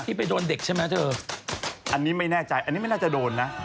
ไปโดนเด็กใช่ไหมเธออันนี้ไม่แน่ใจอันนี้ไม่น่าจะโดนนะ